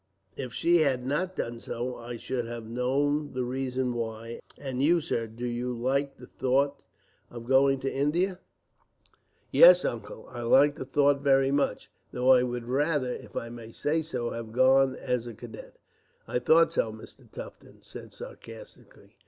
If she had not done so, I should have known the reason why. And you, sir, do you like the thought of going to India?" "Yes, Uncle, I like the thought very much, though I would rather, if I may say so, have gone as a cadet." "I thought so," Mr. Tufton said, sarcastically.